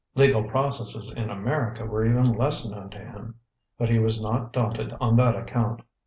Legal processes in America were even less known to him, but he was not daunted on that account.